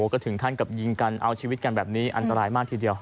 ก็ถึงขั้นกับยิงกันเอาชีวิตกันแบบนี้อันตรายมากทีเดียว